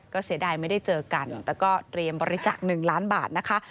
ก็เสียดายไม่ได้เจอกันแต่ก็เตรียมบริจาค๑ล้านบาทนะคะ